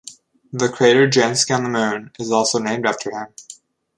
The crater Jansky on the Moon is also named after him.